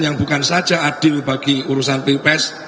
yang bukan saja adil bagi urusan pilpres